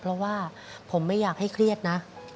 เพราะว่าผมไม่อยากให้เครียดนะ